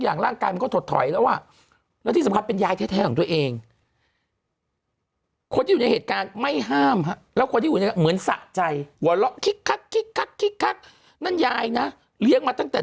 ใจหัวร้องคิกคักคิกคักคิกคักนั่นยายนะเลี้ยงมาตั้งแต่